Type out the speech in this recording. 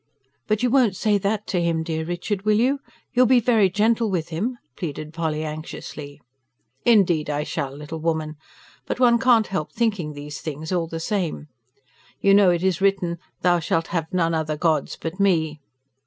"But you won't say that to him, dear Richard ... will you? You'll be very gentle with him?" pleaded Polly anxiously. "Indeed I shall, little woman. But one can't help thinking these things, all the same. You know it is written: 'Thou shalt have none other gods but Me.'"